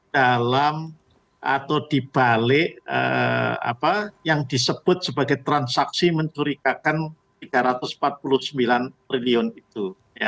dalam atau dibalik apa yang disebut sebagai transaksi mencurigakan rp tiga ratus empat puluh sembilan triliun itu